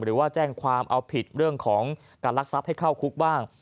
หรือว่าแจ้งความเอาผิดเรื่องของการรักทรัพย์ให้เข้าคุกบ้าง